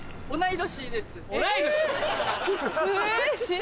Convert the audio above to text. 同い年⁉え！